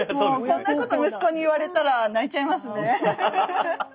そんなこと息子に言われたら泣いちゃいますね。